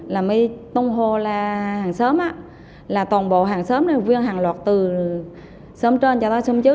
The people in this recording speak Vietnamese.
là mới tung hồ là hàng xóm là toàn bộ hàng xóm này viên hàng lọt từ xóm trên cho tới xóm chứ